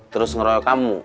terus ngeroyok kamu